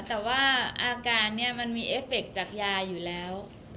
แต่ว่าอาการนี้มันมีเอฟเฟคจากยาอยู่แล้ว